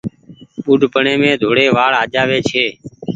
ٻوڏپڙي مين ڌوڙي وآڙ آجآوي ڇي۔